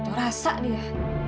itu rasa dia